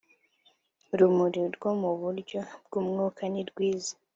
urumuri rwo mu buryo bw umwuka nirwiza